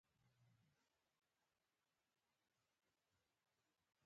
ایا انقلاب به د هوساینې او شتمنۍ لپاره بنسټونه جوړ کړي؟